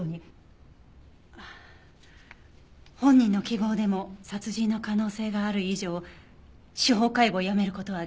本人の希望でも殺人の可能性がある以上司法解剖をやめる事はできません。